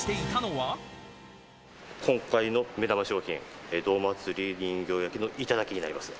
今回の目玉商品、江戸祭人形焼きの頂になります。